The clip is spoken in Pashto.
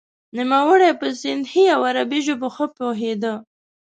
نوموړی په سندهي او عربي ژبو ښه پوهیده.